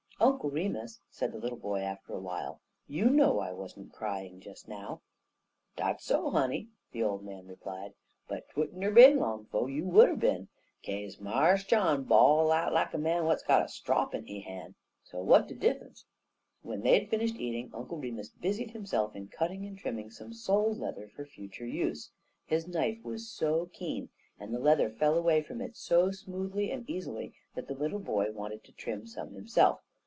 "Uncle Remus," said the little boy, after a while, "you know I wasn't crying just now." "Dat's so, honey," the old man replied, "but 't wouldn't er bin long 'fo' you would er bin, kaze Mars John bawl out lak a man wa't got a strop in he han', so wa't de diff'unce?" When they had finished eating, Uncle Remus busied himself in cutting and trimming some sole leather for future use. His knife was so keen, and the leather fell away from it so smoothly and easily, that the little boy wanted to trim some himself.